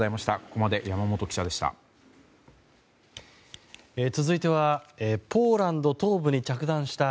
ここまで山本記者でした。